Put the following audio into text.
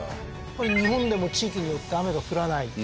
これ日本でも地域によって雨が降らない。